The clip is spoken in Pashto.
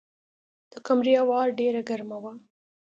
د کمرې هوا ډېره ګرمه وه.